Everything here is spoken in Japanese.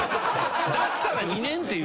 だったら２年って言え。